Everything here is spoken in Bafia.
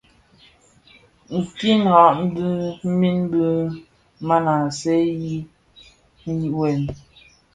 Kidhaň min bi maa seňi wêm.